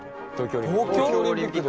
東京オリンピック。